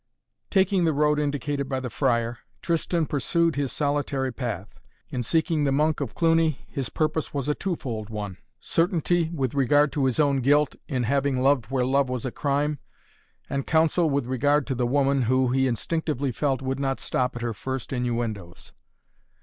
Taking the road indicated by the friar, Tristan pursued his solitary path. In seeking the Monk of Cluny his purpose was a twofold one, certainty with regard to his own guilt, in having loved where love was a crime, and counsel with regard to the woman who, he instinctively felt, would not stop at her first innuendos.